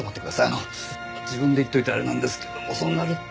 あの自分で言っておいてあれなんですけどもそうなると。